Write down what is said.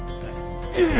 ええ。